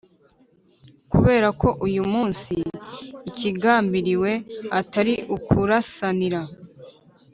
kubera ko uyu munsi ikigambiriwe atari ukurasanira